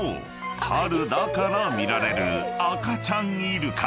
春だから見られる赤ちゃんイルカ］